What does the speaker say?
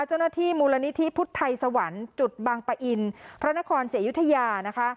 เจ้าหน้าที่มูลนิธิพุทธไทยสวรรค์จุดบางปะอินพระนครศรีอยุธยานะคะ